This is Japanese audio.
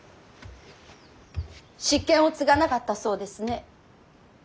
執権を継がなかったそうですね。